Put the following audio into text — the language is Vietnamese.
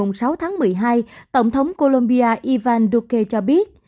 vào ngày sáu tháng một mươi hai tổng thống colombia iván duque cho biết